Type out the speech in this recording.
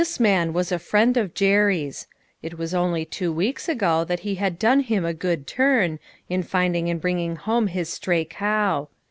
man was a friend of Jerry's ; it was only two weeks ago that he had done him a good turn, in finding and bringing home his stray cow.